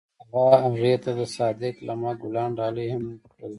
هغه هغې ته د صادق لمحه ګلان ډالۍ هم کړل.